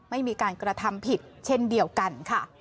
ไม่มีการกระทำผิดเช่นเดียวกันค่ะ